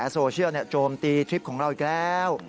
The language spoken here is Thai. โซเชียลโจมตีทริปของเราอีกแล้ว